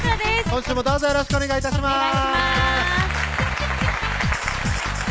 今週もどうぞよろしくお願い致します